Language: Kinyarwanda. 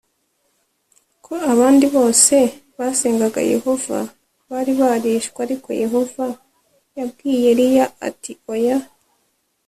ko abandi bose basengaga yehova bari barishwe ariko yehova yabwiye eliya ati oya